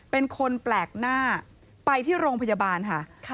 เป็นคนแปลกหน้าไปที่โรงพยาบาลค่ะ